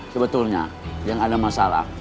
sebetulnya yang ada masalah